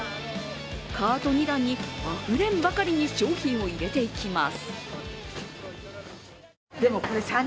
カート２段にあふれんばかりに商品を入れていきます。